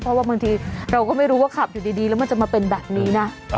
เพราะว่าบางทีเราก็ไม่รู้ว่าขับอยู่ดีแล้วมันจะมาเป็นแบบนี้นะ